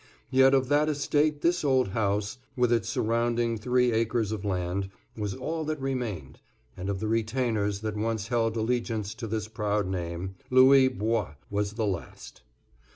Yet of that estate this old house, with its surrounding three acres of land, was all that remained; and of the retainers that once held allegiance to this proud name, Louis Bois was the last.